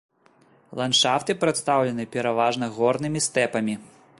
Ландшафты прадстаўлены пераважна горнымі стэпамі.